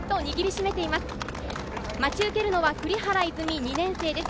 待ち受けるのは栗原泉、２年生です。